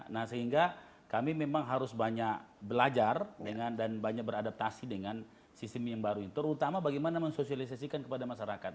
nah sehingga kami memang harus banyak belajar dengan dan banyak beradaptasi dengan sistem yang baru terutama bagaimana denengan sistem yang baru terutama bagaimana mensocialisasikan kepada masyarakat